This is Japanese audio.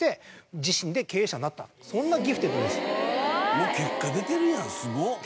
もう結果出てるやんすごっ。